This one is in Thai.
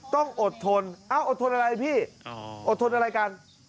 ต้องอดทนเอ้าอดทนอะไรพี่อดทนอะไรกัน